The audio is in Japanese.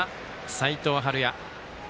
齋藤敏哉。